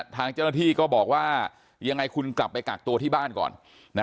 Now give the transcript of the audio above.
ทางเจ้าหน้าที่ก็บอกว่ายังไงคุณกลับไปกักตัวที่บ้านก่อน